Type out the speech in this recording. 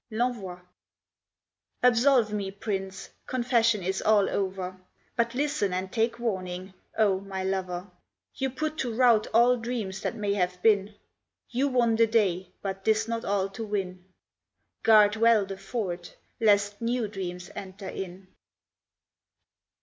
L'ENVOI Absolve me, prince; confession is all over. But listen and take warning, oh! my lover. You put to rout all dreams that may have been; You won the day, but 'tis not all to win; GUARD WELL THE FORT, LEST NEW DREAMS ENTER IN.